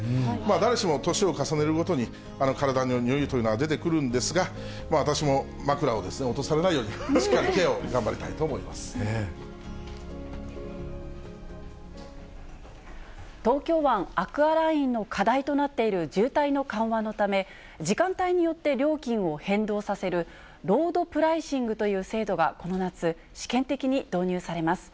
誰しも年を重ねるごとに、体のにおいというのは出てくるんですが、私も枕をですね、落とされないように、しっかりケアを頑張りたい東京湾アクアラインの課題となっている渋滞の緩和のため、時間帯によって料金を変動させる、ロードプライシングという制度がこの夏、試験的に導入されます。